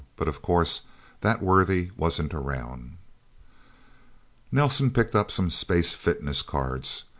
But, of course, that worthy wasn't around. Nelsen picked up some space fitness cards.